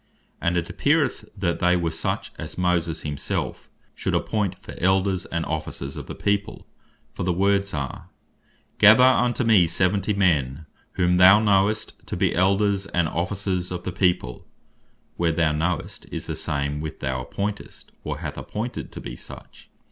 And it appeareth (verse 16.) that, they were such as Moses himself should appoint for Elders and Officers of the People: For the words are, "Gather unto me seventy men, whom thou knowest to be Elders and Officers of the people:" where, "thou knowest," is the same with "thou appointest," or "hast appointed to be such."